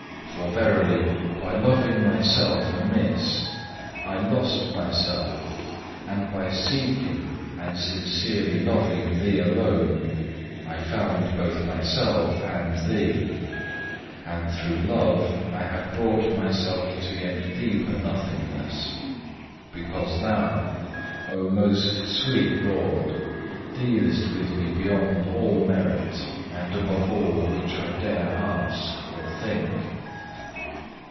For verily, by loving myself amiss, I lost myself, and by seeking and sincerely loving Thee alone, I found both myself and Thee, and through love I have brought myself to yet deeper nothingness: because Thou, O most sweet Lord, dealest with me beyond all merit, and above all which I dare ask or think.